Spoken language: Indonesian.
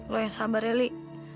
lo yang sabar ya li